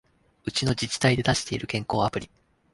うちの自治体で出してる健康アプリ